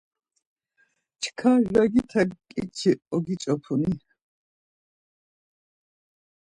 Çkar ragite ǩinçi ogiç̌opuni?